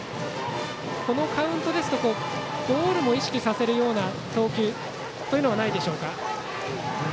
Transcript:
このカウントですとボールも意識させるような投球はないでしょうか。